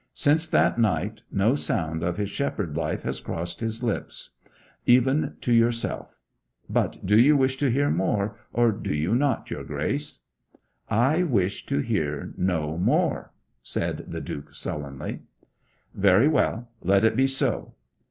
Since that night no sound of his shepherd life has crossed his lips even to yourself. But do you wish to hear more, or do you not, your Grace?' 'I wish to hear no more,' said the Duke sullenly. 'Very well; let it be so.